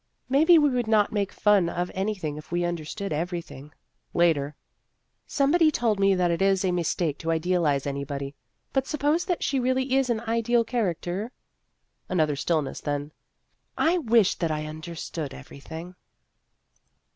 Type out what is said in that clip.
" Maybe we would not make fun of anything if we understood everything." Later, " Somebody told me that it is a mistake to idealize anybody, but suppose that she really is an ideal character Another stillness ; then, " I wish that I understood everything."